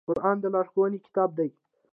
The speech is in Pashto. قرآن د لارښوونې کتاب دی